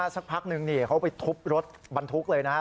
สักพักนึงนี่เขาไปทุบรถบรรทุกเลยนะฮะ